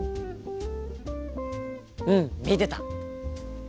うん見てた！